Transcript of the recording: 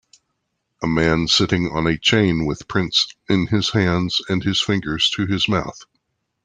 A man sitting on a chain with prints in his hands and his fingers to his mouth.